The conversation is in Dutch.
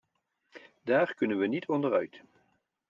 Daar kunnen we niet onder uit.